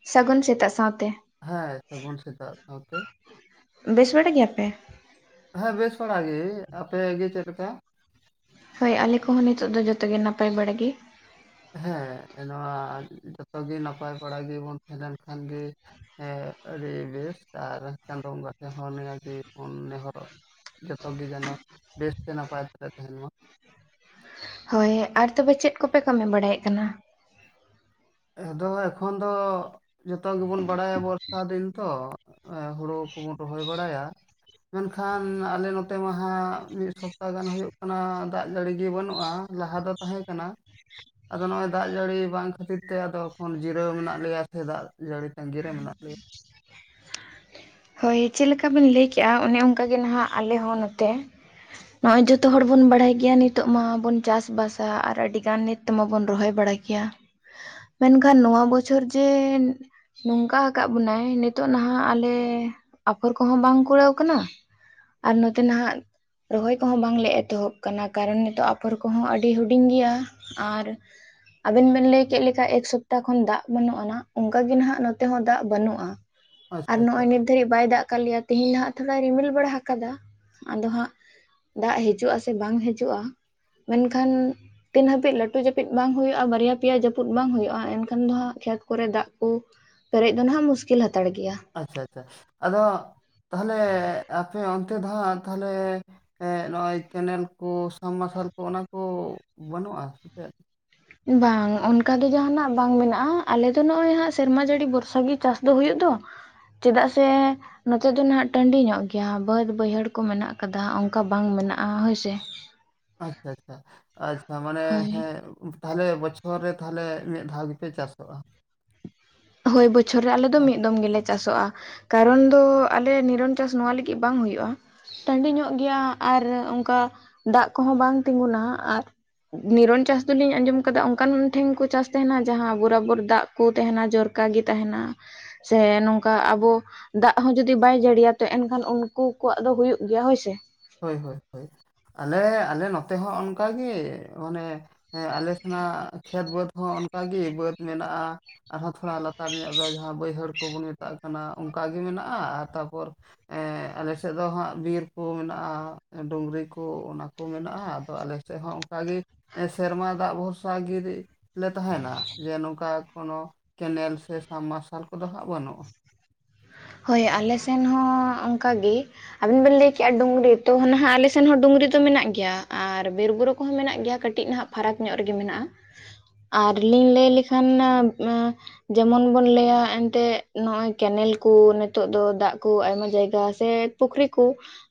ᱥᱟᱹᱜᱩᱱ ᱥᱮᱛᱟᱜ ᱥᱟᱶᱛᱮ ᱦᱮᱸ ᱥᱟᱹᱜᱩᱱ ᱥᱮᱛᱟᱜ ᱥᱟᱶᱛᱮ ᱵᱮᱥ ᱵᱟᱲᱟ ᱜᱮᱭᱟᱯᱮ? ᱦᱮᱸ ᱵᱮᱥ ᱵᱟᱲᱟ ᱜᱮ ᱟᱯᱮ ᱜᱮ ᱪᱮᱫ ᱞᱮᱠᱟ? ᱦᱳᱭ ᱟᱞᱮ ᱠᱚᱦᱚᱸ ᱱᱤᱛᱚᱜ ᱫᱚ ᱡᱚᱛᱚ ᱜᱮ ᱱᱟᱯᱟᱭ ᱵᱟᱲᱟ ᱜᱮ ᱾ ᱦᱮᱸ ᱱᱚᱣᱟ ᱡᱚᱛᱚ ᱜᱮ ᱱᱟᱯᱟᱭ ᱵᱟᱲᱟ ᱜᱮᱵᱚᱱ ᱛᱟᱦᱮᱸ ᱞᱮᱱ ᱠᱷᱟᱱ ᱜᱮ ᱦᱮᱸ ᱟᱹᱰᱤ ᱵᱮᱥ ᱟᱨ ᱪᱟᱸᱫᱳ ᱵᱚᱸᱜᱟ ᱴᱷᱮᱱ ᱦᱚᱸ ᱱᱤᱭᱟᱹ ᱜᱮ ᱵᱚᱱ ᱱᱮᱦᱚᱨᱚᱜ ᱡᱚᱛᱚ ᱜᱮ ᱡᱮᱱᱚ ᱵᱮᱥᱛᱮ ᱱᱟᱯᱟᱭ ᱠᱟᱛᱮᱞᱮ ᱛᱟᱦᱮᱱ ᱢᱟ ᱾ ᱦᱳᱭ᱾ ᱟᱨ ᱛᱚᱵᱮ ᱪᱮᱫ ᱠᱚᱯᱮ ᱠᱟᱹᱢᱤ ᱵᱟᱲᱟᱭᱮᱫ ᱠᱟᱱᱟ? ᱟᱫᱚ ᱮᱠᱷᱚᱱ ᱫᱚ ᱡᱚᱛᱚ ᱜᱮᱵᱚᱱ ᱵᱟᱲᱟᱭᱟ ᱵᱚᱨᱥᱟ ᱫᱤᱱ ᱛᱚ᱾ ᱦᱩᱲᱩ ᱠᱚᱵᱚᱱ ᱨᱚᱦᱚᱭ ᱵᱟᱲᱟᱭᱟ᱾ ᱢᱮᱱᱠᱷᱟᱱ ᱟᱞᱮ ᱱᱚᱛᱮ ᱢᱟ ᱦᱟᱸᱜ ᱢᱤᱫ ᱥᱚᱯᱛᱟ ᱜᱟᱱ ᱦᱩᱭᱩᱜ ᱠᱟᱱᱟ ᱫᱟᱜ ᱡᱟᱹᱲᱤ ᱜᱮ ᱵᱟᱹᱱᱩᱜᱼᱟ᱾ ᱞᱟᱦᱟ ᱫᱚ ᱛᱟᱦᱮᱸ ᱠᱟᱱᱟ᱾ ᱟᱫᱚ ᱱᱚᱜᱼᱚᱭ ᱫᱟᱜ ᱡᱟᱹᱲᱤ ᱵᱟᱝ ᱠᱷᱟᱹᱛᱤᱨ ᱚᱱᱛᱮ ᱟᱫᱚ ᱮᱠᱷᱚᱱ ᱡᱤᱨᱟᱹᱣ ᱢᱮᱱᱟᱜ ᱞᱮᱭᱟ ᱥᱮ ᱫᱟᱜ ᱡᱟᱹᱲᱤ ᱛᱟᱸᱜᱤᱨᱮ ᱢᱮᱱᱟᱜ ᱞᱮᱭᱟ᱾ ᱦᱳᱭ ᱪᱮᱫ ᱞᱮᱠᱟ ᱵᱮᱱ ᱞᱟᱹᱭ ᱠᱮᱜᱼᱟ, ᱚᱱᱮ ᱚᱱᱠᱟ ᱜᱮ ᱱᱟᱦᱟᱜ ᱟᱞᱮ ᱦᱚᱸ ᱱᱚᱛᱮ ᱱᱚᱜᱼᱚᱭ ᱡᱚᱛᱚ ᱦᱚᱲ ᱵᱚᱱ ᱵᱟᱲᱟᱭ ᱜᱮᱭᱟ ᱱᱤᱛᱚᱜ ᱢᱟ ᱵᱚᱱ ᱪᱟᱥ ᱵᱟᱥᱟ ᱟᱨ ᱟᱹᱰᱤ ᱜᱟᱱ ᱱᱤᱛ ᱛᱮ ᱢᱟᱵᱚᱱ ᱨᱚᱦᱚᱭ ᱵᱟᱲᱟᱭ ᱜᱮᱭᱟ, ᱢᱮᱱᱠᱷᱟᱱ ᱱᱚᱣᱟ ᱵᱚᱪᱷᱚᱨ ᱡᱮ ᱱᱚᱝᱠᱟ ᱟᱠᱟᱫ ᱵᱚᱱᱟᱭ ᱱᱤᱛᱚᱜ ᱱᱟᱦᱟᱜ ᱟᱞᱮ ᱟᱯᱷᱚᱨ ᱠᱚᱦᱚᱸ ᱵᱟᱝ ᱠᱩᱲᱟᱹᱣ ᱠᱟᱱᱟ᱾ ᱟᱨ ᱱᱚᱛᱮ ᱱᱟᱦᱟᱜ ᱨᱚᱦᱚᱭ ᱠᱚᱦᱚᱸ ᱵᱟᱝᱞᱮ ᱮᱛᱚᱦᱚᱵ ᱟᱠᱟᱱᱟ, ᱠᱟᱨᱚᱱ ᱱᱤᱛᱚᱜ ᱟᱯᱷᱚᱨ ᱠᱚᱦᱚᱸ ᱟᱹᱰᱤ ᱦᱩᱰᱤᱧ ᱜᱮᱭᱟ᱾ ᱟᱨ ᱟᱵᱮᱱ ᱵᱮᱱ ᱞᱟᱹᱭ ᱠᱮᱫ ᱞᱮᱠᱟ ᱮᱠ ᱥᱚᱯᱛᱟᱦᱚ ᱠᱷᱚᱱ ᱫᱟᱜ ᱵᱟᱹᱱᱩᱜ ᱟᱱᱟᱜ ᱚᱱᱠᱟᱜ ᱜᱮ ᱱᱟᱦᱟᱜ ᱱᱚᱛᱮ ᱦᱚᱸ ᱫᱟᱜ ᱵᱟᱹᱱᱩᱜᱼᱟ᱾ ᱟᱨ ᱟᱪᱪᱷᱟ ᱟᱪᱪᱷᱟ ᱱᱚᱜᱼᱚᱭ ᱱᱤᱛ ᱫᱷᱟᱹᱨᱤᱡ ᱵᱟᱭ ᱫᱟᱜ ᱠᱟᱜ ᱞᱮᱭᱟ᱾ ᱛᱮᱦᱤᱧ ᱫᱚ ᱦᱟᱸᱜ ᱛᱷᱚᱲᱟ ᱨᱤᱢᱤᱞ ᱵᱟᱲᱟ ᱟᱠᱟᱫᱟ᱾ ᱟᱫᱚ ᱦᱟᱸᱜ ᱫᱟᱜ ᱦᱤᱡᱩᱜ ᱟᱥᱮ ᱵᱟᱝ ᱦᱤᱡᱩᱜᱼᱟ ᱢᱮᱱᱠᱷᱟᱱ ᱛᱤᱱ ᱦᱟᱹᱵᱤᱡ ᱞᱟᱹᱴᱩ ᱡᱟᱹᱯᱤᱫ ᱵᱟᱝ ᱦᱩᱭᱩᱜᱼᱟ, ᱵᱟᱨᱭᱟ ᱯᱮᱭᱟ ᱡᱟᱹᱯᱩᱫ ᱵᱟᱝ ᱦᱩᱭᱩᱜᱼᱟ, ᱮᱱᱠᱷᱟᱱ ᱫᱚ ᱦᱟᱸᱜ ᱠᱷᱮᱛ ᱠᱚᱨᱮ ᱫᱟᱜ ᱠᱚ ᱯᱮᱨᱮᱡ ᱫᱚ ᱱᱟᱦᱟᱜ ᱢᱩᱥᱠᱤᱞ ᱦᱟᱛᱟᱲ ᱜᱮᱭᱟ᱾ ᱟᱪᱪᱷᱟ ᱟᱪᱪᱷᱟ, ᱟᱫᱚ ᱛᱟᱦᱚᱞᱮ ᱟᱯᱮ ᱚᱱᱛᱮ ᱫᱚ ᱦᱟᱸᱜ ᱛᱟᱦᱚᱞᱮ ᱮᱜ ᱱᱚᱜᱼᱚᱭ ᱠᱮᱱᱮᱞ ᱠᱚ ᱥᱟᱵ ᱢᱟᱨᱥᱟᱞ ᱠᱚ ᱚᱱᱟ ᱠᱚ ᱵᱟᱹᱱᱩᱜᱼᱟ ᱥᱮ ᱪᱮᱫ? ᱵᱟᱝ ᱚᱱᱠᱟ ᱫᱚ ᱡᱟᱦᱟᱱᱟᱜ ᱵᱟᱝ ᱢᱮᱱᱟᱜᱼᱟ, ᱟᱞᱮ ᱫᱚ ᱱᱚᱜᱼᱚᱭ ᱦᱟᱜ ᱥᱮᱨᱢᱟ ᱡᱟᱹᱲᱤ ᱵᱚᱨᱥᱟ ᱜᱮ ᱪᱟᱥ ᱫᱚ ᱦᱩᱭᱩᱜ ᱫᱚ ᱪᱮᱫᱟᱜ ᱥᱮ ᱱᱚᱛᱮ ᱫᱚ ᱱᱟᱦᱟᱜ ᱴᱟᱺᱰᱤ ᱧᱚᱜ ᱜᱮᱭᱟ, ᱵᱟᱹᱫᱽ ᱵᱟᱹᱭᱦᱟᱹᱲ ᱠᱚ ᱢᱮᱱᱟᱜ ᱟᱠᱟᱫᱟ᱾ ᱚᱱᱠᱟ ᱵᱟᱝ ᱢᱮᱱᱟᱜᱼᱟ ᱦᱳᱭᱥᱮᱼᱼ ᱟᱪᱪᱷᱟ ᱟᱪᱪᱷᱟ ᱟᱪᱪᱷᱟ ᱢᱟᱱᱮ ᱦᱳᱭ ᱦᱮᱸ ᱛᱟᱦᱚᱞᱮ ᱵᱚᱪᱷᱚᱨ ᱨᱮ ᱛᱟᱦᱞᱮ ᱢᱤᱫ ᱫᱷᱟᱣ ᱜᱮᱯᱮ ᱪᱟᱥᱚᱜᱼᱟ᱾ ᱦᱳᱭ, ᱵᱚᱪᱷᱚᱨ ᱨᱮ ᱟᱞᱮ ᱫᱚ ᱦᱮᱸ ᱢᱤᱫ ᱫᱚᱢ ᱜᱮᱞᱮ ᱪᱟᱥᱚᱜᱼᱟ᱾ ᱠᱟᱨᱚᱱ ᱫᱚ ᱟᱞᱮ ᱱᱤᱨᱚᱱ ᱪᱟᱥ ᱱᱚᱣᱟ ᱞᱟᱹᱜᱤᱫ ᱵᱟᱝ ᱦᱩᱭᱩᱜᱼᱟ᱾ ᱴᱟᱺᱰᱤ ᱧᱚᱜ ᱜᱮᱭᱟ ᱟᱨ ᱚᱱᱠᱟ ᱫᱟᱜ ᱠᱚᱦᱚᱸ ᱵᱟᱝ ᱛᱤᱸᱜᱩᱱᱟ ᱟᱨ ᱱᱤᱨᱚᱱ ᱪᱟᱥ ᱫᱚᱞᱤᱧ ᱟᱸᱡᱚᱢ ᱟᱠᱟᱫᱟ ᱚᱱᱠᱟᱱ ᱴᱷᱮᱱ ᱠᱚ ᱪᱟᱥ ᱛᱟᱦᱮᱱᱟ᱾ ᱡᱟᱦᱟᱸ ᱵᱚᱨᱟᱵᱚᱨ ᱫᱟᱜ ᱠᱩ ᱛᱟᱦᱮᱱᱟ ᱡᱚᱨ ᱠᱟᱜᱮ ᱛᱟᱦᱮᱱᱟ ᱥᱮ ᱱᱚᱝᱠᱟ ᱟᱵᱚ ᱫᱟᱜ ᱦᱚᱸ ᱡᱩᱫᱤ ᱵᱟᱭ ᱡᱟᱹᱲᱤᱭᱟ ᱛᱚ ᱮᱱᱠᱷᱟᱱ ᱩᱱᱠᱩ ᱠᱚᱣᱟᱜ ᱫᱚ ᱦᱩᱭᱩᱜ ᱜᱮᱭᱟ ᱦᱳᱭᱥᱮ᱾ ᱦᱳᱭ ᱦᱳᱭ ᱟᱞᱮ ᱟᱞᱮ ᱱᱚᱛᱮ ᱦᱚᱸ ᱚᱱᱠᱟᱜᱮ ᱢᱟᱱᱮ ᱦᱮᱸ ᱟᱞᱮ ᱥᱮᱱᱟᱜ ᱠᱷᱮᱛ ᱵᱟᱹᱫᱽ ᱦᱚᱸ ᱚᱱᱠᱟ ᱜᱮ ᱵᱟᱹᱫᱽ ᱢᱮᱱᱟᱜᱼᱟ᱾ ᱟᱨᱦᱚᱸ ᱛᱷᱚᱲᱟ ᱞᱟᱛᱟᱨ ᱧᱚᱜ ᱫᱚ ᱡᱟᱦᱟ ᱵᱟᱹᱭᱦᱟᱹᱲ ᱠᱚᱵᱚᱱ ᱢᱮᱛᱟᱜ ᱠᱟᱱᱟ ᱚᱱᱠᱟᱜ ᱜᱮ ᱢᱮᱱᱟᱜᱼᱟ᱾ ᱟᱨ ᱛᱟᱯᱚᱨ ᱮᱸᱜ ᱟᱞᱮ ᱥᱮᱫ ᱫᱚ ᱦᱟᱸᱜ ᱵᱤᱨ ᱠᱚ ᱢᱮᱱᱟᱜᱼᱼ ᱰᱩᱝᱨᱤ ᱠᱚ ᱚᱱᱟ ᱠᱚ ᱢᱮᱱᱟᱜᱼᱟ, ᱟᱫᱚ ᱟᱞᱮ ᱥᱮᱫ ᱦᱚᱸ ᱚᱱᱠᱟᱜᱮ ᱥᱮᱨᱢᱟ ᱫᱟᱜ ᱵᱷᱚᱨᱥᱟ ᱜᱤᱼᱼ ᱞᱮ ᱛᱟᱦᱮᱱᱟ᱾ ᱡᱮ ᱱᱚᱝᱠᱟ ᱠᱳᱱᱳ ᱠᱮᱱᱮᱞ ᱥᱮ ᱥᱟᱵᱢᱟᱨᱥᱟᱞ ᱠᱚᱫᱚ ᱦᱟᱸᱜ ᱵᱟᱹᱱᱩᱜᱼᱟ᱾ ᱦᱳᱭ ᱟᱞᱮ ᱥᱮᱱ ᱦᱚᱸ ᱚᱱᱠᱟ ᱜᱮ᱾ ᱟᱹᱵᱤᱱ ᱵᱮᱱ ᱞᱟᱹᱭ ᱠᱮᱫᱼᱟ ᱰᱩᱝᱨᱤ, ᱛᱚ ᱱᱟᱦᱟᱜ ᱟᱞᱮ ᱥᱮᱱ ᱦᱚᱸ ᱰᱩᱝᱨᱤ ᱫᱚ ᱢᱮᱱᱟᱜ ᱜᱮᱭᱟ᱾ ᱟᱨ ᱵᱤᱨᱼᱵᱩᱨᱩ ᱠᱚᱦᱚᱸ ᱢᱮᱱᱟᱜ ᱜᱮᱭᱟ ᱠᱟᱹᱴᱤᱡ ᱱᱟᱦᱟᱜ ᱯᱷᱟᱨᱟᱠ ᱧᱚᱜ ᱨᱮᱜᱮ ᱢᱮᱱᱟᱜᱼᱟ᱾ ᱟᱨ ᱞᱤᱧ ᱞᱟᱹᱭ ᱞᱮᱠᱷᱟᱱᱼᱼ ᱡᱮᱢᱚᱱ ᱵᱚᱱ ᱞᱟᱹᱭᱟ ᱮᱱᱛᱮᱫ ᱱᱚᱜᱼᱚᱭ ᱠᱮᱱᱮᱞᱼᱼ ᱠᱩ ᱱᱤᱛᱚᱜ ᱫᱚ ᱫᱟᱜ ᱠᱚ ᱟᱭᱢᱟ ᱡᱟᱭᱜᱟ ᱥᱮ ᱯᱩᱠᱷᱨᱤ ᱠᱚ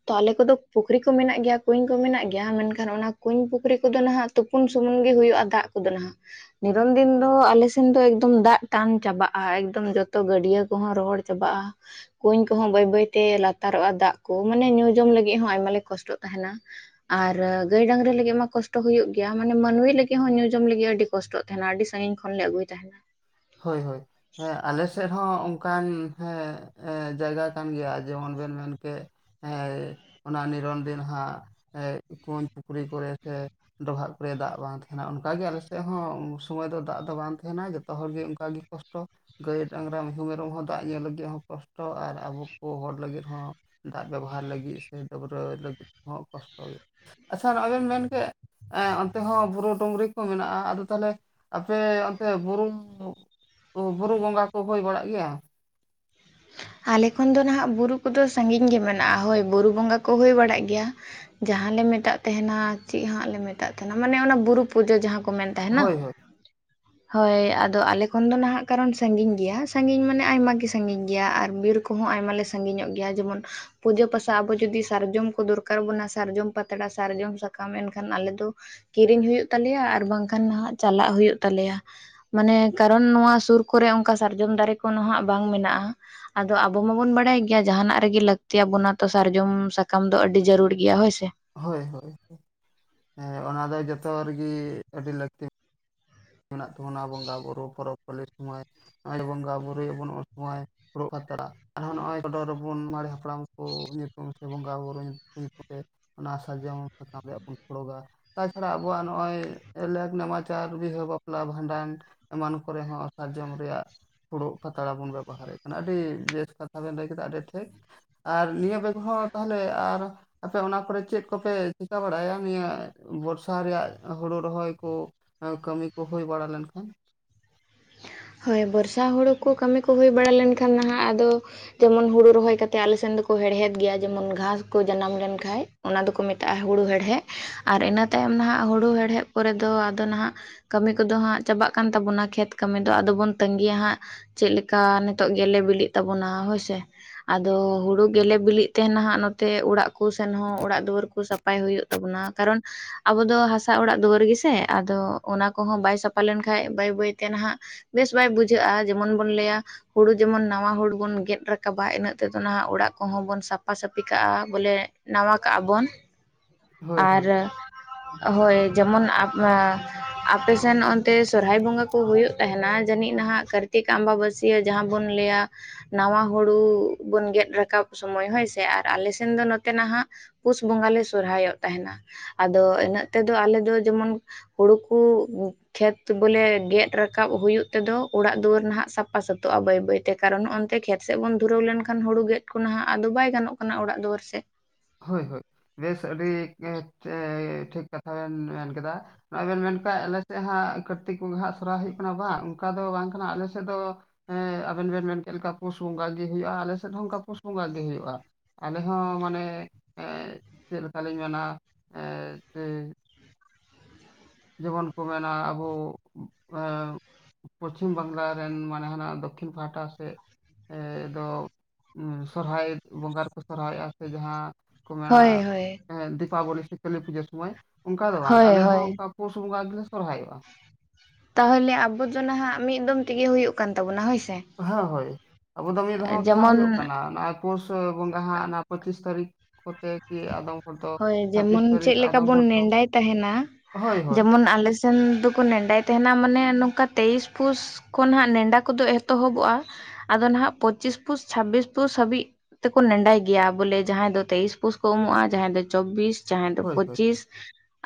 ᱛᱚ ᱟᱞᱮ ᱠᱚᱫᱚ ᱯᱩᱠᱷᱨᱤ ᱠᱚ ᱢᱮᱱᱟᱜ ᱜᱮᱭᱟ᱾ ᱠᱩᱧ ᱠᱚ ᱢᱮᱱᱟᱜ ᱜᱮᱭᱟ, ᱢᱮᱱᱠᱷᱟᱱ ᱚᱱᱟ ᱠᱩᱧ ᱯᱩᱠᱷᱨᱤ ᱠᱚᱫᱚ ᱱᱟᱦᱟᱜ ᱛᱩᱯᱩᱱ ᱥᱩᱢᱩᱱ ᱜᱮ ᱦᱩᱭᱩᱜᱼᱟ, ᱫᱟᱜ ᱠᱚᱫᱚ ᱱᱟᱦᱟᱜ ᱱᱤᱨᱚᱱ ᱫᱤᱱ ᱫᱚ ᱟᱞᱮᱥᱮᱱ ᱫᱚ ᱮᱠᱫᱚᱢ ᱫᱟᱜ ᱴᱟᱱ ᱪᱟᱵᱟᱜᱼᱟ᱾ ᱮᱠᱫᱚᱢ ᱡᱚᱛᱚ ᱜᱟᱹᱰᱤᱭᱟᱹ ᱠᱚᱦᱚᱸ ᱨᱚᱦᱚᱲ ᱪᱟᱵᱟᱜᱼᱟ᱾ ᱠᱩᱧ ᱠᱚᱦᱚᱸ ᱵᱟᱹᱭ ᱵᱟᱹᱭᱛᱮ ᱞᱟᱛᱟᱨᱚᱜᱼᱟ, ᱫᱟᱜ ᱠᱚ ᱢᱟᱱᱮ ᱧᱩ ᱡᱚᱢ ᱞᱟᱹᱜᱤᱫ ᱦᱚᱸ ᱟᱭᱢᱟ ᱞᱮ ᱠᱚᱥᱴᱚᱜ ᱛᱟᱦᱮᱱᱟ᱾ ᱟᱨ ᱜᱟᱹᱭ ᱰᱟᱝᱨᱤ ᱞᱟᱹᱜᱤᱫ ᱢᱟ ᱠᱚᱥᱴᱚ ᱦᱩᱭᱩᱜ ᱜᱮᱭᱟ᱾ ᱢᱟᱱᱮ ᱢᱟᱹᱱᱩᱭ ᱞᱟᱹᱜᱤᱫ ᱦᱚᱸ ᱧᱩ ᱡᱚᱢ ᱞᱟᱹᱜᱤᱫ ᱦᱚ ᱟᱹᱰᱤ ᱠᱚᱥᱴᱚᱜ ᱛᱟᱦᱮᱱᱟ᱾ ᱟᱹᱰᱤ ᱥᱟᱺᱜᱤᱧ ᱠᱷᱚᱱ ᱞᱮ ᱟᱹᱜᱩᱭ ᱛᱟᱸᱦᱮᱱᱟ᱾ ᱦᱳᱭ ᱦᱳᱭ᱾ ᱦᱮᱸ ᱟᱞᱮ ᱥᱮᱫ ᱦᱚᱸ ᱚᱱᱠᱟᱱ ᱦᱮᱸ ᱮ ᱡᱟᱭᱜᱟ ᱠᱟᱱ ᱜᱮᱭᱟ ᱡᱮᱢᱚᱱ ᱵᱮᱱ ᱢᱮᱱᱠᱮᱜ ᱦᱮᱸ ᱚᱱᱟ ᱱᱤᱨᱚᱱᱫᱤᱱ ᱦᱟᱸᱜ ᱮ ᱠᱩᱧ, ᱯᱩᱠᱷᱨᱤ ᱠᱚᱨᱮ ᱥᱮ ᱰᱚᱵᱷᱟᱜ ᱠᱚᱨᱮ ᱫᱟᱜ ᱵᱟᱝ ᱛᱟᱦᱮᱱᱟ ᱚᱱᱠᱟᱜᱮ ᱟᱞᱮᱥᱮᱫ ᱦᱚᱸ ᱥᱚᱢᱚᱭ ᱫᱚ ᱫᱟᱜ ᱫᱚ ᱵᱟᱝ ᱛᱟᱦᱮᱱᱟ ᱡᱚᱛᱚ ᱡᱷᱚᱛᱚ ᱦᱚᱲ ᱜᱮ ᱚᱱᱠᱟᱜ ᱜᱮ ᱠᱚᱥᱴᱚ ᱜᱟᱹᱭ, ᱰᱟᱝᱨᱟ, ᱢᱤᱦᱩ, ᱢᱮᱨᱚᱢ ᱦᱚᱸ ᱫᱟᱜ ᱧᱩ ᱞᱟᱹᱜᱤᱫ ᱦᱚᱸ ᱠᱚᱥᱴᱚ ᱟᱨ ᱟᱵᱚ ᱠᱚ ᱦᱚᱲ ᱞᱟᱹᱜᱤᱫ ᱦᱚᱸ ᱫᱟᱜ ᱵᱮᱵᱚᱦᱟᱨ ᱞᱟᱹᱜᱤᱫ ᱥᱮ ᱰᱟᱹᱵᱽᱨᱟᱹ ᱞᱟᱹᱜᱤᱫ ᱦᱚᱸ ᱠᱚᱥᱴᱚ ᱜᱮᱸ᱾ ᱟᱪᱪᱷᱟ ᱟᱵᱮᱱ ᱢᱮᱱ ᱠᱮᱫ ᱚᱱᱛᱮ ᱦᱚᱸ ᱵᱩᱨᱩ-ᱰᱩᱝᱨᱤ ᱠᱚ ᱢᱮᱱᱟᱜᱼᱟ? ᱟᱫᱚ ᱛᱟᱦᱚᱞᱮ ᱟᱯᱮ ᱚᱱᱛᱮ ᱵᱩᱨᱩ [unintelligible] ᱵᱩᱨᱩ ᱵᱚᱸᱜᱟ ᱠᱚ ᱦᱩᱭ ᱵᱟᱲᱟᱜ ᱜᱮᱭᱟ? ᱟᱞᱮ ᱠᱷᱚᱱ ᱫᱚ ᱱᱟᱦᱟᱜ ᱵᱩᱨᱩ ᱠᱚᱫᱚ ᱥᱟᱹᱜᱤᱧ ᱜᱮ ᱢᱮᱱᱟᱜᱼᱟ ᱦᱳᱭ ᱵᱩᱨᱩ ᱵᱚᱸᱜᱟ ᱠᱚ ᱦᱩᱭ ᱵᱟᱲᱟᱜ ᱜᱮᱭᱟ᱾ ᱡᱟᱦᱟᱸ ᱞᱮ ᱢᱮᱛᱟᱜ ᱛᱟᱦᱮᱱᱟ ᱪᱮᱫ ᱦᱟᱸᱜ ᱞᱮ ᱢᱮᱛᱟᱜ ᱛᱟᱦᱮᱱᱟ ᱢᱟᱱᱮ ᱚᱱᱟ ᱵᱩᱨᱩ ᱯᱩᱡᱟᱹ ᱡᱟᱦᱟᱸ ᱠᱚ ᱢᱮᱱ ᱛᱟᱦᱮᱱᱟ ᱦᱳᱭ ᱦᱳᱭ ᱦᱳᱭ ᱟᱫᱚ ᱟᱞᱮ ᱠᱷᱚᱱ ᱫᱚ ᱱᱟᱦᱟᱜ ᱠᱟᱨᱚᱱ ᱥᱟᱺᱜᱤᱧ ᱜᱮᱭᱟ᱾ ᱥᱟᱺᱜᱤᱧ ᱢᱟᱱᱮ ᱟᱭᱢᱟ ᱜᱮ ᱥᱟᱺᱜᱤᱧ ᱜᱮᱭᱟ ᱜᱮᱭᱟ ᱟᱨ ᱵᱤᱨ ᱠᱚᱦᱚᱸ ᱟᱭᱢᱟ ᱞᱮ ᱥᱟᱹᱜᱤᱧᱚᱜ ᱜᱮᱭᱟ ᱡᱮᱢᱚᱱ ᱯᱩᱡᱟᱹ ᱯᱟᱥᱟ ᱟᱵᱚ ᱡᱩᱫᱤ ᱥᱟᱨᱡᱚᱢ ᱠᱚ ᱫᱚᱨᱠᱟᱨ ᱵᱚᱱᱟ ᱥᱟᱨᱡᱚᱢ ᱯᱟᱛᱲᱟ ᱥᱟᱨᱡᱚᱢ ᱥᱟᱠᱟᱢ ᱮᱱᱠᱷᱟᱱ ᱟᱞᱮ ᱫᱚ ᱠᱤᱨᱤᱧ ᱦᱩᱭᱩᱜ ᱛᱟᱞᱮᱭᱟ ᱟᱨ ᱵᱟᱝᱠᱷᱟᱱ ᱦᱟ‍ᱸᱜ ᱪᱟᱞᱟᱜ ᱦᱩᱭᱩᱜ ᱛᱟᱞᱮᱭᱟ᱾ ᱢᱟᱱᱮ ᱠᱟᱨᱚᱱ ᱱᱚᱣᱟ ᱥᱩᱨ ᱠᱚᱨᱮ ᱚᱱᱠᱟ ᱥᱟᱨᱡᱚᱢ ᱫᱟᱨᱮ ᱠᱚ ᱱᱚᱦᱟᱜ ᱵᱟᱝ ᱢᱮᱱᱟᱜᱼᱟ᱾ ᱟᱫᱚ ᱟᱵᱚ ᱢᱟᱵᱚᱱ ᱵᱟᱲᱟᱭ ᱜᱮᱭᱟ ᱡᱟᱦᱟᱸᱱᱟᱜ ᱨᱮᱜᱮ ᱞᱟᱹᱠᱛᱤ ᱟᱵᱚᱱᱟ ᱛᱚ ᱥᱟᱨᱡᱚᱢ ᱥᱟᱠᱟᱢ ᱫᱚ ᱟᱹᱰᱤ ᱡᱟᱨᱩᱲ ᱜᱮᱭᱟ ᱦᱳᱭᱥᱮ᱾ ᱦᱳᱭ ᱦᱳᱭ ᱦᱮᱸ ᱚᱱᱟ ᱫᱚ ᱡᱷᱚᱛᱚ ᱨᱮᱜᱮ ᱟᱹᱰᱤ ᱞᱟᱹᱠᱛᱤ ᱢᱮᱱᱟᱜ ᱛᱟᱵᱚᱱᱟ ᱵᱚᱸᱜᱟ, ᱵᱩᱨᱩ ᱯᱚᱨᱚᱵᱽ, ᱯᱟᱹᱞᱤ ᱥᱚᱢᱚᱭ ᱱᱚᱜ ᱚᱭ ᱵᱚᱸᱜᱟ, ᱵᱩᱨᱩᱭᱟᱵᱚᱱ ᱩᱱ ᱥᱚᱢᱚᱭ ᱯᱩᱨᱟ ᱟᱹᱛᱲᱟ ᱟᱨᱦᱚᱸ ᱱᱚᱸᱜᱼᱚᱭ ᱪᱚᱰᱚᱨ ᱨᱮᱵᱚᱱ ᱢᱟᱨᱮ ᱦᱟᱯᱲᱟᱢ ᱠᱚ ᱧᱩᱛᱩᱢ ᱥᱮ ᱵᱚᱸᱜᱟᱼᱵᱩᱨᱩ ᱧᱩᱛᱩᱢ ᱛᱮ ᱚᱱᱟ ᱥᱟᱨᱡᱚᱢ ᱥᱟᱠᱟᱢ ᱨᱮᱭᱟᱜ ᱵᱚᱱ ᱯᱷᱩᱲᱩᱜᱟ᱾ ᱛᱟᱪᱷᱟᱲᱟ ᱟᱵᱚᱣᱟᱜ ᱱᱚᱸᱜᱼᱚᱭ ᱞᱮᱠ, ᱱᱮᱢᱟᱪᱟᱨ ᱵᱤᱦᱟᱹ ᱵᱟᱯ ᱵᱟᱯᱞᱟ, ᱵᱷᱟᱸᱰᱟᱱ ᱮᱢᱟᱱ ᱠᱚᱨᱮ ᱦᱚᱸ ᱥᱟᱨᱡᱚᱢ ᱨᱮᱭᱟᱜ ᱯᱷᱩᱲᱩᱜ ᱯᱟᱛᱲᱟ ᱵᱚᱱ ᱵᱮᱵᱚᱦᱟᱨᱮᱫ ᱠᱟᱱᱟ ᱟᱹᱰᱤ ᱵᱮᱥ ᱠᱟᱛᱷᱟ ᱵᱮᱱ ᱞᱟᱹᱭ ᱠᱮᱫᱟ ᱟᱹᱰᱤ ᱴᱷᱮᱡ, ᱟᱨ ᱱᱤᱭᱟᱹ ᱵᱮᱜᱽ ᱦᱚᱸ ᱛᱟᱦᱚᱞᱮ ᱟᱨ ᱟᱯᱮ ᱚᱱᱟ ᱠᱚᱨᱮ ᱪᱮᱫ ᱠᱚᱯᱮ ᱪᱤᱠᱟᱹ ᱵᱟᱲᱟᱭᱟ ᱱᱤᱭᱟᱹ ᱵᱚᱨᱥᱟ ᱨᱮᱭᱟᱜ ᱦᱩᱲᱩ ᱨᱚᱦᱚᱭ ᱠᱚ ᱦᱮᱸ ᱠᱟᱹᱢᱤ ᱠᱚ ᱦᱩᱭ ᱵᱟᱲᱟ ᱞᱮᱱᱠᱷᱟᱱ ᱦᱳᱭ ᱵᱚᱨᱥᱟ ᱦᱩᱲᱩ ᱠᱚ ᱠᱟᱹᱢᱤ ᱠᱚ ᱦᱩᱭ ᱵᱟᱲᱟ ᱞᱮᱱᱠᱷᱟᱱ ᱱᱟᱦᱟᱸᱜ ᱟᱫᱚ ᱡᱮᱢᱚᱱ ᱦᱩᱲᱩ ᱨᱚᱦᱚᱭ ᱠᱟ ᱠᱟᱛᱮᱫ ᱟᱞᱮ ᱥᱮᱱ ᱫᱚᱠᱚ ᱦᱮᱲᱦᱮᱫ ᱜᱮᱭᱟ ᱡᱮᱢᱚᱱ ᱜᱷᱟᱸᱥ ᱠᱚ ᱡᱟᱱᱟᱢ ᱞᱮᱱᱠᱷᱟᱡ ᱚᱱᱟ ᱫᱚᱠᱚ ᱢᱮᱛᱟᱜᱼᱟ ᱦᱩᱲᱩ ᱦᱮᱲᱦᱮᱫ ᱟᱨ ᱤᱱᱟᱹ ᱛᱟᱭᱚᱢ ᱱᱟᱦᱟᱸᱜ ᱦᱩᱲᱩ ᱦᱮᱲᱦᱮᱫ ᱯᱚᱨᱮ ᱫᱚ ᱟᱫᱚ ᱱᱟᱦᱟᱸᱜ ᱠᱟᱹᱢᱤ ᱠᱚᱫᱚ ᱦᱟᱸᱜ ᱪᱟᱵᱟᱜ ᱠᱟᱱ ᱛᱟᱵᱚᱱᱟ ᱠᱷᱮᱛ ᱠᱟᱹᱢᱤ, ᱫᱟ ᱟᱫᱚ ᱵᱚᱱ ᱛᱟᱸᱜᱤᱭᱟ ᱦᱟᱸᱜ ᱪᱮᱫ ᱞᱮᱠᱟ ᱱᱤᱛᱚᱜ ᱜᱮᱞᱮ ᱵᱤᱞᱤᱜ ᱛᱟᱵᱚᱱᱟ ᱦᱳᱭᱥᱮ᱾ ᱟᱫᱚ ᱦᱩᱲᱩ ᱜᱮᱞᱮ ᱵᱤᱞᱤᱜ ᱛᱟᱦᱮᱸᱱᱟ ᱦᱟᱸᱜ ᱱᱚᱛᱮ ᱚᱲᱟᱜ ᱠᱚ ᱥᱮᱱ ᱦᱚᱸ ᱚᱲᱟᱜ ᱫᱩᱣᱟᱹᱨ ᱠᱚ ᱥᱟ ᱯᱟᱭ ᱦᱩᱭᱩᱜ ᱛᱟᱵᱚᱱᱟ ᱠᱟᱨᱚᱱ ᱟᱵᱚ ᱫᱚ ᱦᱟᱥᱟ ᱚᱲᱟᱜ ᱫᱩᱣᱟᱹᱨ ᱜᱮᱥᱮ ᱟᱫᱚ ᱚᱱᱟ ᱠᱚᱦᱚᱸ ᱵᱟᱭ ᱥᱟᱯᱷᱟ ᱞᱮᱱᱠᱟᱱ ᱵᱟᱹᱭ ᱵᱟᱹᱭᱛᱮ ᱱᱟᱦᱟᱸᱜ ᱵᱮᱥ ᱵᱟᱭ ᱵᱩᱡᱷᱟᱹᱜᱼᱟ ᱡᱮᱢᱚᱱ ᱵᱚᱱ ᱞᱟᱹᱭᱟ ᱦᱩᱲᱩ ᱡᱮᱢᱚᱱ ᱱᱟᱣᱟ ᱦᱩᱲᱩ ᱵᱚᱱ ᱜᱮᱫ ᱨᱟᱠᱟᱵᱟ ᱤᱱᱟᱹᱜ ᱛᱮᱫᱚ ᱱᱟᱦᱟᱸᱜ ᱚᱲᱟᱜ ᱠᱚᱦᱚᱸ ᱵᱚᱱ ᱥᱟᱯᱷᱟ ᱥᱟᱹᱯᱷᱤ ᱠᱟᱜᱼᱟ, ᱵᱚᱞᱮ ᱱᱟᱣᱟ ᱠᱟᱜᱼᱟ ᱵᱚᱱ᱾ ᱦᱳᱭ ᱟᱨ ᱦᱳᱭ ᱦᱳᱭ ᱡᱮᱢᱚᱱ ᱟᱵ ᱟᱯᱮᱥᱮᱱ ᱚᱱᱛᱮ ᱥᱚᱨᱦᱟᱭ ᱵᱚᱸᱜᱟ ᱠᱚ ᱦᱩᱭᱩᱜ ᱛᱟᱦᱮᱱᱟ? ᱡᱟᱹᱱᱤᱡ ᱱᱟᱦᱟᱸᱜ ᱠᱟᱨᱛᱤᱠ ᱟᱢᱵᱟᱵᱟᱹᱥ ᱭᱟᱹ ᱡᱟᱦᱟᱸ ᱵᱚᱱ ᱞᱟᱹᱭᱟ ᱱᱟᱣᱟ ᱦᱩᱲᱩ ᱵᱚᱱ ᱜᱮᱫ ᱨᱟᱠᱟᱵ ᱥᱚᱢᱚᱭ ᱦᱳᱭᱥᱮ, ᱟᱨ ᱟᱞᱮ ᱥᱮᱱ ᱫᱚ ᱱᱚᱛᱮ ᱱᱟᱦᱟᱸᱜ ᱯᱩᱥ ᱵᱚᱸᱜᱟ ᱞᱮ ᱥᱚᱨᱦᱟᱭᱚᱜ ᱛᱟᱦᱮᱸᱱᱟ ᱟᱫᱚ ᱤᱱᱟᱹᱜ ᱛᱮᱫᱚ ᱟᱞᱮ ᱫᱚ ᱡᱮᱢᱚᱱ ᱦᱩᱲᱩ ᱠᱩ ᱩᱸ ᱠᱷᱮᱛ ᱵᱚᱞᱮ ᱜᱮᱫ ᱨᱟᱠᱟᱵ ᱦᱩᱭᱩᱜ ᱛᱮᱫᱚ ᱚᱲᱟᱜ ᱫᱩᱣᱟᱹᱨ ᱱᱟᱦᱟᱸᱜ ᱥᱟᱯᱟ ᱥᱟᱹᱛᱚᱜᱼᱟ ᱵᱟᱹᱭ ᱵᱟᱹᱭ ᱛᱮ ᱠᱟᱨᱚᱱ ᱚᱱᱛᱮ ᱠᱷᱮᱛ ᱥᱮᱫ ᱵᱚᱱ ᱫᱷᱩᱨᱟᱹᱣ ᱞᱮᱱᱠᱷᱟᱱ ᱦᱩᱲᱩ ᱜᱮᱫ ᱠᱚ ᱱᱟᱦᱟᱸᱜ ᱟᱫᱚ ᱵᱟᱭ ᱜᱟᱱᱚᱜ ᱠᱟᱱᱟ ᱚᱲᱟᱜ ᱫᱩᱣᱟᱹᱨ ᱥᱮᱫ᱾ ᱦᱳᱭ ᱦᱳᱭ ᱵᱮᱥ ᱟᱹᱰᱤ ᱮᱸ ᱪᱮ ᱴᱷᱤᱠ ᱠᱟᱛᱷᱟ ᱵᱮᱱ ᱢᱮᱱ ᱠᱮᱫᱟ, ᱱᱚᱸᱜᱼᱚᱭ ᱵᱮᱱ ᱢᱮᱱ ᱠᱷᱟᱱ ᱟᱞᱮ ᱥᱮᱫ ᱦᱟᱸᱜ ᱠᱟᱨᱛᱤᱠ ᱵᱚᱸᱜᱟ ᱦᱟᱸᱜ ᱥᱚᱨᱟᱭ ᱦᱩᱭᱩᱜ ᱠᱟᱱᱟ ᱵᱟᱝ ᱚᱱᱠᱟ ᱫᱚ ᱵᱟᱝ ᱠᱟᱱᱟ ᱟᱞᱮ ᱥᱮᱫ ᱫᱚ ᱦᱮᱸ ᱟᱵᱮᱱ ᱵᱮᱱ ᱢᱮᱱ ᱠᱮᱫ ᱞᱮᱠᱟ ᱯᱩᱥ ᱵᱚᱸᱜᱟ ᱜᱮ ᱦᱩᱭᱩᱜᱼᱟ ᱟᱞᱮ ᱥᱮᱫ ᱦᱚᱸ ᱚᱱᱠᱟ ᱯᱩᱥ ᱵᱚᱸᱜᱟ ᱜᱮ ᱦᱩᱭᱩᱜᱼᱟ᱾ ᱟᱞᱮ ᱦᱚᱸ ᱢᱟᱱᱮ ᱮᱸ ᱪᱮᱜ ᱞᱮᱠᱟᱞᱤᱧ ᱢᱮᱱᱟ ᱮᱸ ᱪᱮ ᱡᱮᱢᱚᱱ ᱠᱚ ᱢᱮᱱᱟ ᱟᱵᱚ ᱟ ᱯᱚᱥᱪᱷᱤᱢ ᱵᱟᱝᱞᱟ ᱨᱮᱱ ᱢᱟᱱᱮ ᱦᱟᱱᱟᱜ ᱫᱚᱠᱠᱷᱤᱱ ᱯᱟᱦᱟᱴᱟ ᱥᱮᱫ ᱮᱫᱚ ᱥᱚᱨᱦᱟᱭ ᱵᱚᱸᱜᱟ ᱨᱮᱠᱚ ᱥᱚᱨᱦᱟᱭᱚᱜᱼᱟ ᱥᱮ ᱡᱟᱦᱟᱸ ᱠᱚ ᱢᱮᱱᱟ ᱦᱳᱭ ᱦᱳᱭ ᱫᱤᱯᱟᱵᱚᱞᱤ ᱥᱮ ᱠᱟᱹᱞᱤ ᱯᱩᱡᱟᱹ ᱥᱚᱢᱚᱭ ᱚᱱᱠᱟ ᱫᱚ ᱵᱟᱝ ᱦᱳᱭ ᱟᱞᱮ ᱦᱚᱸ ᱦᱳᱭ ᱚᱱᱠᱟ ᱯᱩᱥ ᱵᱚᱸᱜᱟ ᱜᱮᱞᱮ ᱥᱚᱨᱦᱟᱭᱚᱜᱼᱟ᱾ ᱛᱟᱦᱚᱞᱮ ᱟᱵᱚ ᱫᱚ ᱱᱟᱦᱟᱸᱜ ᱢᱤᱫ ᱫᱚᱢ ᱛᱮᱜᱮ ᱦᱩᱭᱩᱜ ᱠᱟᱱ ᱛᱟᱵᱚᱱᱟ ᱦᱳᱭᱥᱮ᱾ ᱦᱮᱸ ᱦᱳᱭ ᱟᱵᱚ ᱫᱚ ᱢᱤᱫ ᱫᱷᱟᱣ ᱛᱮᱦᱟᱸᱜ ᱦᱩᱭᱩᱜ ᱠᱟᱱᱟ ᱱᱚᱣᱟ ᱯᱳᱥ ᱵᱚᱸᱜᱟ ᱦᱟᱸᱜ ᱚᱱᱟ ᱯᱚᱸᱪᱤᱥ ᱛᱟᱹᱨᱤᱠᱷ ᱠᱚᱛᱮ ᱜᱮ ᱟᱫᱚᱢ ᱦᱚᱲ ᱫᱚ ᱦᱳᱭ ᱪᱷᱟᱵᱵᱤᱥ ᱡᱮᱢᱚᱱ ᱪᱮᱫ ᱛᱟᱹᱨᱤᱠᱷ ᱞᱮᱠᱟ ᱟᱫᱚᱢ ᱵᱚᱱ ᱦᱚᱲ ᱫᱚ ᱱᱮᱰᱟᱭ ᱛᱟᱦᱮᱱᱟ ᱦᱳᱭ ᱦᱳᱭ ᱡᱮᱢᱚᱱ ᱟᱞᱮ ᱥᱮᱱ ᱫᱚᱠᱚ ᱱᱮᱸᱰᱟᱭ ᱛᱟᱦᱮᱱᱟ ᱢᱟᱱᱮ ᱱᱚᱝᱠᱟ ᱛᱮᱭᱤᱥ ᱯᱩᱥ ᱠᱷᱚᱱ ᱦᱟᱸᱜ ᱱᱮᱰᱟ ᱠᱚᱫᱚ ᱮᱛᱚᱦᱚᱵᱚᱜ-ᱟ ᱟᱫᱚ ᱱᱟᱜ ᱯᱚᱸᱪᱤᱥ ᱯᱩᱥ ᱪᱷᱟᱵᱵᱤᱥ ᱯᱩᱥ ᱦᱟᱹᱵᱤᱡ ᱛᱮᱠᱚ ᱱᱮᱰᱟᱭ ᱜᱮᱭᱟ ᱵᱚᱞᱮ ᱡᱟᱦᱟᱸᱭ ᱫᱚ ᱛᱮᱭᱤᱥ ᱯᱩᱥ ᱠᱚ ᱩᱢᱩᱜ-ᱟ ᱡᱟᱦᱟᱸᱭ ᱫᱚ ᱪᱚᱵᱵᱤᱥ ᱡᱟᱦᱟᱭ ᱫᱚ ᱦᱳᱭ ᱦᱳᱭ ᱯᱚᱸᱪᱤᱥ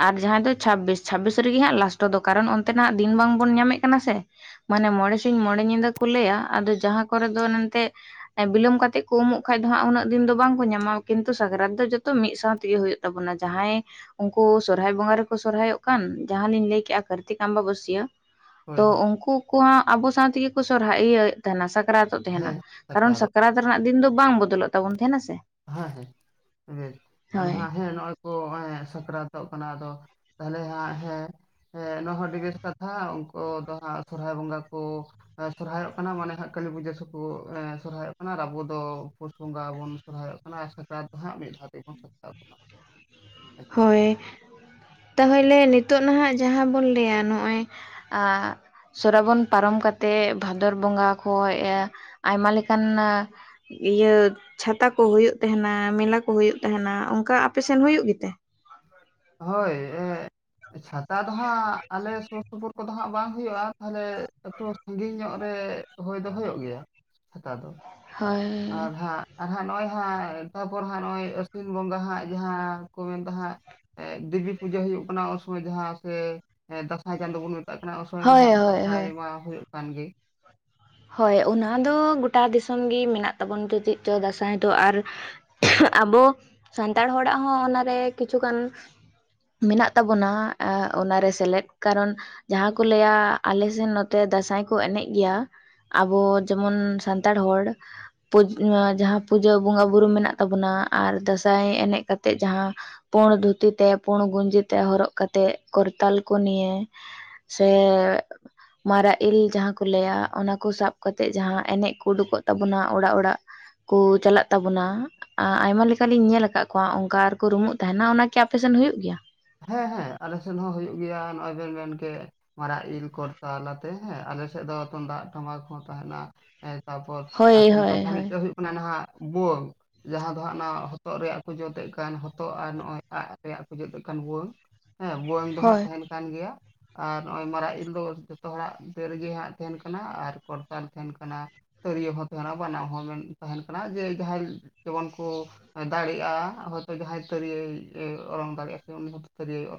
ᱟᱨ ᱡᱟᱦᱟᱸᱭ ᱫᱚ ᱪᱷᱟᱵᱵᱤᱥ ᱪᱷᱟᱵᱵᱤᱥ ᱨᱮᱜᱮ ᱦᱟᱸᱜ ᱞᱟᱥᱴᱚ ᱫᱚ ᱠᱟᱨᱚᱱ ᱚᱱᱛᱮ ᱫᱤᱱ ᱵᱟᱝᱵᱚᱱ ᱧᱟᱢᱮᱫ ᱠᱟᱱᱟ ᱥᱮ ᱾ ᱢᱟᱱᱮ ᱢᱚᱬᱮ ᱥᱤᱧ ᱢᱚᱬᱮ ᱧᱤᱫᱟᱹ ᱠᱚ ᱞᱟᱹᱭᱟ ᱟᱫᱚ ᱡᱟᱦᱟᱸ ᱠᱚᱨᱮ ᱫᱚ ᱮᱱᱛᱮ ᱵᱤᱞᱚᱢ ᱠᱟᱛᱮᱜ ᱠᱚ ᱩᱢᱚᱜ ᱠᱷᱟᱡ ᱫᱚ ᱦᱟᱸᱜ ᱩᱱᱟᱹᱜ ᱫᱤᱱ ᱫᱚ ᱵᱟᱝᱠᱚ ᱧᱟᱢᱟ ᱠᱤᱱᱛᱩ ᱥᱟᱠᱨᱟᱛ ᱫᱚ ᱡᱚᱛᱚ ᱢᱤᱫ ᱥᱟᱶᱛ [unintelligible] ᱦᱩᱭᱩᱜ ᱛᱟᱵᱚᱱᱟ ᱡᱟᱦᱟᱸᱭ ᱩᱱᱠᱩ ᱥᱚᱨᱦᱟᱭ ᱵᱚᱸᱜᱟ ᱨᱮᱠᱚ ᱥᱚᱨᱦᱟᱭᱚᱜ ᱠᱟᱱ ᱡᱟᱦᱟᱸ ᱞᱤᱧ ᱞᱟᱹᱭᱠᱮᱜ-ᱟ ᱠᱟᱨᱛᱤᱠ ᱟᱢᱵᱟ ᱵᱟᱹᱥᱭᱟᱹ ᱦᱳᱭ ᱛᱚ ᱦᱳᱭ ᱩᱱᱠᱩ ᱠᱚ ᱦᱟᱸᱜ ᱟᱵᱚ ᱥᱟᱶ ᱛᱮᱜᱮ ᱠᱚ ᱥᱚᱨᱦᱟᱭ ᱤᱭᱟᱹ ᱛᱟᱦᱮᱱᱟ ᱥᱟᱠᱨᱟᱛᱚᱜ ᱛᱟᱦᱮᱱᱟ ᱦᱮᱸ ᱠᱟᱨᱚᱱ ᱥᱟᱠᱨᱟᱛᱚᱜ ᱥᱟᱠᱨᱟᱛ ᱨᱮᱱᱟᱜ ᱫᱤᱱ ᱫᱚ ᱵᱟᱝ ᱵᱚᱫᱚᱞᱚᱜ ᱛᱟᱵᱚᱱ ᱛᱟᱦᱮᱱᱟ ᱥᱮ᱾ ᱦᱮᱸ ᱦᱮᱸ ᱵᱮᱥ ᱟᱫᱚ ᱦᱳᱭ ᱦᱟᱸᱜ ᱦᱮᱸ ᱱᱚᱜ-ᱚᱭ ᱠᱚ ᱚᱭ ᱥᱟᱠᱨᱟᱛᱚᱜ ᱠᱟᱱᱟ ᱟᱫᱚ ᱛᱟᱦᱚᱞᱮ ᱦᱟᱸᱜ ᱦᱮᱸ ᱾ ᱦᱮᱸ ᱱᱚᱶᱟ ᱦᱚᱸ ᱟᱹᱰᱤ ᱵᱮᱥ ᱠᱟᱛᱷᱟ ᱩᱱᱠᱩ ᱫᱚ ᱦᱟᱸᱜ ᱥᱚᱨᱦᱟᱭ ᱵᱚᱸᱜᱟ ᱠᱚ ᱥᱚᱨᱦᱟᱭᱚᱜ ᱠᱟᱱᱟ ᱢᱟᱱᱮ ᱦᱟᱸᱜ ᱠᱟᱹᱞᱤ ᱯᱩᱡᱟᱹ ᱥᱮᱫ ᱠᱚ ᱥᱚᱨᱦᱟᱭᱚᱜ ᱠᱟᱱᱟ ᱟᱵᱚ ᱫᱚ ᱯᱩᱥ ᱵᱚᱸᱜᱟ ᱵᱚᱱ ᱥᱚᱨᱚᱦᱟᱭ ᱚᱜ ᱠᱟᱱᱟ ᱟᱨ ᱥᱟᱠᱨᱟᱛ ᱫᱚ ᱦᱟᱸᱜ ᱢᱤᱫ ᱫᱷᱟ ᱛᱮᱵᱚᱱ ᱥᱟᱠᱨᱟᱛᱚᱜ ᱠᱟᱱᱟ ᱾ ᱦᱳᱭ ᱾ ᱛᱟᱦᱚᱞᱮ ᱱᱤᱛᱚᱜ ᱱᱟᱦᱟᱸᱜ ᱡᱟᱦᱟᱸ ᱵᱚᱱ ᱞᱟᱹᱭᱟ ᱱᱚᱜ-ᱚᱭ ᱥᱚᱨᱦᱟᱭ ᱵᱚᱱ ᱯᱟᱨᱚᱢ ᱠᱟᱛᱮᱫ ᱵᱷᱟᱫᱚᱨ ᱵᱚᱸᱜᱟ ᱠᱷᱚᱡ ᱟᱭᱢᱟ ᱞᱮᱠᱟᱱ ᱤᱭᱟᱹ ᱪᱷᱟᱛᱟ ᱠᱚ ᱦᱩᱭᱩᱜ ᱛᱟᱦᱮᱱᱟ ᱢᱮᱞᱟ ᱠᱚ ᱦᱩᱭᱩᱜ ᱛᱟᱦᱮᱱᱟ ᱚᱱᱠᱟ ᱟᱯᱮ ᱥᱮᱱ ᱦᱩᱭᱩᱜ ᱜᱮᱛᱮ? ᱦᱳᱭ ᱪᱷᱟᱛᱟ ᱫᱚ ᱦᱟᱸᱜ ᱟᱞᱮ ᱥᱩᱨ ᱥᱩᱯᱩᱨ ᱠᱚᱫᱚ ᱦᱟᱸᱜ ᱵᱟᱝ ᱦᱩᱭᱩᱜ-ᱟ ᱾ ᱛᱟᱦᱚᱞᱮ ᱮᱠᱴᱩ ᱥᱟᱹᱜᱤᱧ ᱧᱚᱜ ᱨᱮ ᱦᱩᱭ ᱫᱚ ᱦᱩᱭᱩᱜ ᱜᱮᱭᱟ ᱪᱷᱟᱛᱟ ᱫᱚ ᱾ ᱦᱳᱭ ᱟᱨ ᱦᱟᱸᱜ [inaudible] ᱟᱨ ᱦᱟᱸᱜ ᱱᱚᱜ-ᱚᱭ ᱦᱟᱸᱜ ᱛᱟᱨᱯᱚᱨ ᱦᱟᱸᱜ ᱱᱚᱜᱚᱭ ᱟᱹᱥᱤᱱ ᱵᱚᱸᱜᱟ ᱦᱟᱸᱜ ᱡᱟᱦᱟᱸ ᱠᱚ ᱢᱮᱱᱫᱟ ᱦᱟᱸᱜ ᱫᱮᱵᱤ ᱯᱩᱡᱟᱹ ᱦᱩᱭᱩᱜ ᱠᱟᱱᱟ ᱩᱱᱥᱚᱢᱚᱭ ᱡᱟᱦᱟᱸ ᱥᱮ ᱦᱮ ᱫᱟᱸᱥᱟᱭ ᱪᱟᱸᱫᱳ ᱵᱚᱱ ᱢᱮᱛᱟᱜ ᱠᱟᱱᱟ ᱚᱥᱚᱭ ᱦᱳᱭ ᱢᱟᱦᱟ ᱦᱳᱭ ᱫᱟᱸᱥᱟᱭ ᱦᱳᱭ ᱢᱟ ᱦᱩᱭᱩᱜ ᱠᱟᱱ ᱜᱮ ᱦᱳᱭ ᱚᱱᱟ ᱫᱚ ᱜᱳᱴᱟ ᱫᱤᱥᱚᱢ ᱜᱮ ᱢᱮᱱᱟᱜ ᱛᱟᱵᱚᱱ ᱛᱚ ᱪᱮᱫ ᱪᱚᱝ ᱫᱟᱸᱥᱟᱭ ᱫᱚ ᱟᱨ ᱟᱵᱚ ᱥᱟᱱᱛᱟᱲ ᱦᱚᱲᱟᱜ ᱦᱚᱸ ᱚᱱᱟᱨᱮ ᱠᱤᱪᱷᱩᱜᱟᱱ ᱢᱮᱱᱟᱜ ᱛᱟᱵᱚᱱᱟ ᱚᱱᱟᱨᱮ ᱥᱮᱞᱮᱫ ᱠᱟᱨᱚᱱ ᱡᱟᱦᱟᱸ ᱠᱚ ᱞᱟᱹᱭᱟ ᱟᱞᱮᱥᱮᱱ ᱱᱚᱛᱮ ᱫᱟᱸᱥᱟᱭ ᱠᱚ ᱮᱱᱮᱡ ᱜᱮᱭᱟ ᱾ ᱟᱵᱚ ᱡᱮᱢᱚᱱ ᱥᱟᱱᱛᱟᱲ ᱦᱚᱲ ᱡᱟᱦᱟᱸ ᱯᱩᱡᱟᱹ ᱵᱚᱸᱜᱟ ᱵᱩᱨᱩ ᱢᱮᱱᱟᱜ ᱛᱟᱵᱚᱱᱟ ᱟᱨ ᱫᱟᱸᱥᱟᱭ ᱮᱱᱮᱡ ᱠᱟᱛᱮᱜ ᱡᱟᱦᱟᱸ ᱯᱩᱲ ᱫᱷᱩᱛᱤ ᱛᱮ ᱯᱩᱲ ᱜᱩᱧᱡᱤ ᱛᱮ ᱦᱚᱨᱚᱜ ᱠᱟᱛᱮᱜ ᱠᱚᱨᱛᱟᱞ ᱠᱚ ᱱᱤᱭᱮ ᱥᱮ ᱢᱟᱨᱟᱜ ᱤᱞ ᱡᱟᱦᱟᱸ ᱠᱚ ᱞᱟᱹᱭᱟ ᱚᱱᱟ ᱠᱚ ᱥᱟᱵ ᱠᱟᱛᱮᱜ ᱡᱟᱦᱟᱸ ᱮᱱᱮᱡ ᱠᱚ ᱩᱰᱩᱠᱚᱜ ᱛᱟᱵᱚᱱᱟ ᱚᱲᱟᱜ ᱚᱲᱟᱜ ᱠᱩ ᱪᱟᱞᱟᱜ ᱛᱟᱵᱚᱱᱟ ᱟᱭᱢᱟ ᱞᱮᱠᱟᱞᱤᱧ ᱧᱮᱞ ᱟᱠᱟᱜ ᱠᱚᱣᱟ ᱚᱱᱠᱟ ᱟᱨᱠᱚ ᱨᱩᱢᱩᱜ ᱛᱟᱦᱮᱱᱟ ᱚᱱᱟᱠᱤ ᱟᱯᱮ ᱥᱮᱱ ᱦᱩᱭᱩᱜ ᱜᱮᱭᱟ? ᱦᱮᱸ ᱦᱮᱸ ᱟᱞᱮ ᱥᱮᱫ ᱦᱚᱸ ᱦᱩᱭᱩᱜ ᱜᱮᱭᱟ ᱱᱚᱜ-ᱚᱭ ᱵᱮᱱ ᱢᱮᱱᱠᱮᱜ ᱾ ᱢᱟᱨᱟᱜ ᱤᱞ ᱠᱚᱨᱛᱟᱞ ᱟᱛᱮ ᱦᱮᱸ ᱟᱞᱮ ᱥᱮᱫ ᱫᱚ ᱛᱩᱢᱫᱟᱜ ᱴᱟᱢᱟᱠ ᱦᱚᱸ ᱛᱟᱦᱮᱱᱟ ᱾ ᱦᱮᱸ ᱛᱟᱨᱯᱚᱨ ᱦᱳᱭ ᱟᱥᱚᱞ ᱦᱳᱭ ᱠᱟᱛᱷᱟ ᱦᱳᱭ ᱢᱤᱫᱴᱮᱡ ᱦᱩᱭᱩᱜ ᱚᱱᱟ ᱱᱟᱦᱟᱜ ᱵᱩᱳᱝ ᱡᱟᱦᱟᱸ ᱫᱚ ᱦᱟᱸᱜ ᱚᱱᱟ ᱦᱚᱛᱚᱫ ᱨᱮᱭᱟᱜ ᱠᱚ ᱡᱩᱛᱮᱫ ᱠᱟᱱ ᱦᱚᱛᱚᱜ ᱟᱨ ᱱᱚᱜ-ᱚᱭ ᱟᱯᱮ ᱥᱮᱫ ᱪᱮᱫ ᱠᱟᱱ ᱵᱷᱩᱣᱟᱹᱝ ᱦᱮᱸ ᱵᱷᱩᱣᱟᱹᱝ ᱫᱚ ᱦᱟᱸᱜ ᱦᱳᱭ ᱛᱟᱦᱮᱱ ᱠᱟᱱ ᱜᱮᱭᱟ᱾ ᱟᱨ ᱱᱚᱜᱼᱚᱭ ᱢᱟᱨᱟᱜ ᱤᱞ ᱫᱚ ᱡᱚᱛᱚ ᱦᱚᱲᱟᱜ ᱫᱟᱹᱨ ᱨᱮᱜᱮ ᱦᱟᱸᱜ ᱛᱟᱦᱮᱸᱱ ᱠᱟᱱᱟ ᱟᱨ ᱠᱚᱨᱛᱟᱞ ᱛᱟᱦᱮᱸᱱ ᱠᱟᱱᱟ ᱛᱟᱹᱨᱭᱟᱹ ᱦᱚᱸ ᱛᱟᱦᱮᱸᱱᱟ ᱵᱟᱱᱟᱢ ᱦᱚᱸ ᱛᱟᱦᱮᱸᱱ ᱠᱟᱱᱟ ᱡᱮ ᱡᱟᱦᱟᱸᱭ ᱡᱮᱢᱚᱱ ᱠᱚ ᱟ ᱫᱟᱲᱮᱜᱼᱟ ᱦᱚᱭᱛᱚ ᱡᱟᱦᱟᱸᱭ ᱛᱟᱹᱨᱭᱟᱹᱭ ᱚᱨᱚᱝ ᱫᱟᱲᱮᱭᱟᱜᱼᱟ ᱥᱮ ᱩᱱᱤ ᱦᱚᱸᱛᱚ ᱛᱟᱹᱨᱭᱟᱹᱭ ᱚᱨᱚᱝ